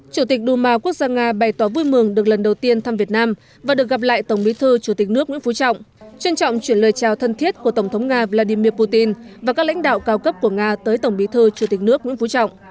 chủ tịch đu ma quốc gia nga bày tỏ vui mừng được lần đầu tiên thăm việt nam và được gặp lại tổng bí thư chủ tịch nước nguyễn phú trọng trân trọng chuyển lời chào thân thiết của tổng thống nga vladimir putin và các lãnh đạo cao cấp của nga tới tổng bí thư chủ tịch nước nguyễn phú trọng